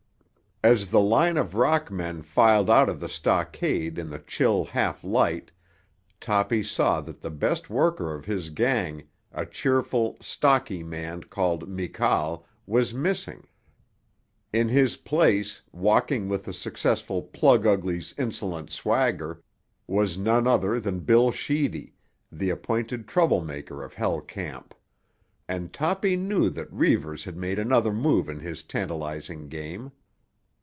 As the line of rock men filed out of the stockade in the chill half light Toppy saw that the best worker of his gang, a cheerful, stocky man called Mikal, was missing. In his place, walking with the successful plug ugly's insolent swagger, was none other than Bill Sheedy, the appointed trouble maker of Hell Camp; and Toppy knew that Reivers had made another move in his tantalising game.